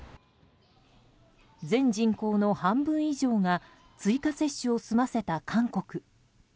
全人口の半分以上が追加接種を済ませた韓国。